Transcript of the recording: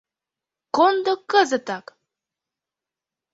— Кондо кызытак!